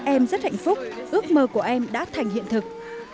em rất hạnh phúc ước mơ của em đã thành hiện thực